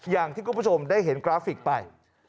อย่างที่คุณผู้ชมได้เห็นกราฟิกไป